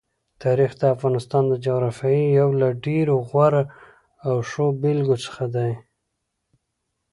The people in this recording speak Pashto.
تاریخ د افغانستان د جغرافیې یو له ډېرو غوره او ښو بېلګو څخه دی.